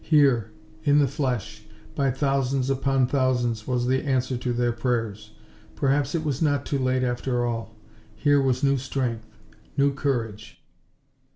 Here, in the flesh, by thousands upon thousands, was the answer to their prayers. Perhaps it was not too late, after all. Here was new strength, new courage.